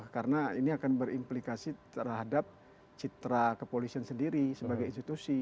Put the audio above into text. karena ini akan berimplikasi terhadap citra kepolisian sendiri sebagai institusi